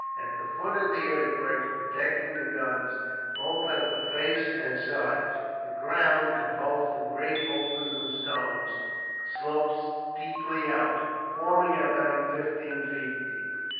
At the foot of the earthworks protecting the guns, both at the face and sides, the ground, composed of great boulders and stones, sloped steeply out, forming a bank fifteen feet deep.